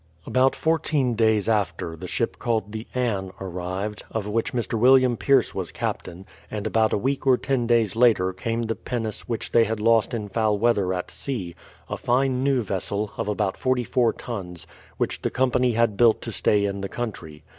About fourteen days after, the ship called the Anne ar rived, of which Mr. William Pierce was captain ; and about a week or ten days later came the pinnace wdiich they had lost in foul v/eather at sea, — a fine new vessel, of about forty four tons, which the company had built to stay in the country.